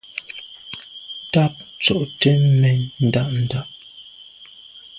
Tàb tshobt’é mèn nda’nda’.